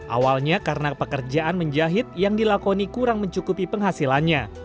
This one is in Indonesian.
awalnya karena pekerjaan menjahit yang dilakoni kurang mencukupi penghasilannya